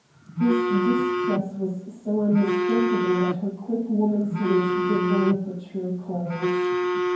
His distress was so unmistakable that her quick woman's wit divined the true cause.